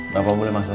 bapak boleh masuk